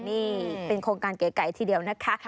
นี่เป็นโครงการเก๋ทีเดียวนะคะ